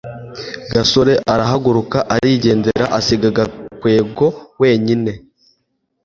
gasore arahaguruka arigendera, asiga gakwego wenyine